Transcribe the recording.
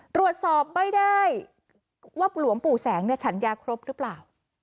ตรวจสอบไม่ได้ว่าหลวงปู่แสงเนี่ยฉันยาครบหรือเปล่า